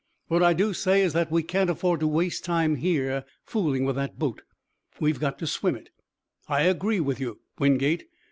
What I do say is that we can't afford to waste time here fooling with that boat. We've got to swim it. I agree with you, Wingate.